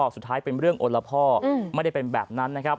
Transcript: สุดท้ายเป็นเรื่องโอละพ่อไม่ได้เป็นแบบนั้นนะครับ